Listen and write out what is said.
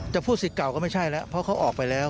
พูดสิทธิ์เก่าก็ไม่ใช่แล้วเพราะเขาออกไปแล้ว